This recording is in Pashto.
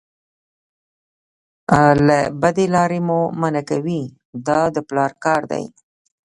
له بدې لارې مو منع کوي دا د پلار کار دی.